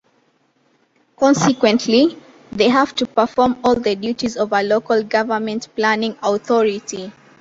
Consequently, they have to perform all the duties of a local government planning authority.